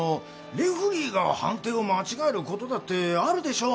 レフリーが判定を間違えることだってあるでしょう？